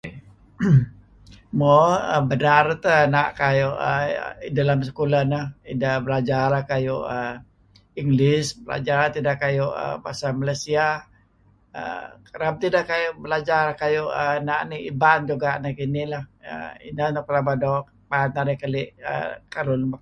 Mo am arih nier teh kayu' ideh lem sekolah neh ideh belajar kayu' uhm English, kayu' tideh kayu' Bahasa Malaysia uhm kereb tideh kau' belajar kayu' uhm kayu' ena' nih Iban juga' neh ihih lah. uhm ineh nuk pelaba doo' paad narih keli' karuh lun.